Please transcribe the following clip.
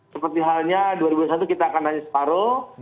seperti halnya dua ribu satu kita akan nanya separuh